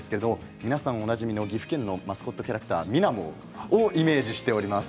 皆さんおなじみの岐阜県のマスコットキャラクターミナモをイメージしています。